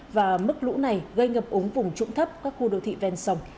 và mức lũ này gây ngập ống vùng trụng thấp các khu đô thị ven sông